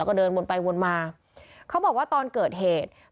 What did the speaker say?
เขาบอกว่าตอนเกิดเหตุ